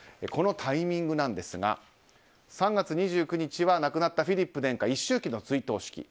このタイミングですが３月２９日は亡くなったフィリップ殿下の１周忌の追悼式。